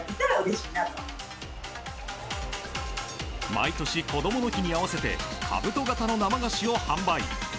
毎年こどもの日に合わせてかぶと型の生菓子を販売。